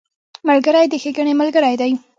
ملګری د ښېګڼې ملګری دی